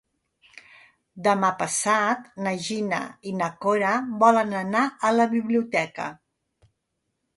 Demà passat na Gina i na Cora volen anar a la biblioteca.